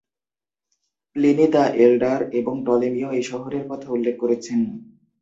Pliny the Elder এবং টলেমিও এই শহরের কথা উল্লেখ করেছেন।